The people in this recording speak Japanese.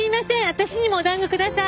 私にもお団子ください。